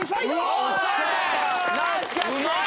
うまい！